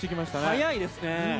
速いですね！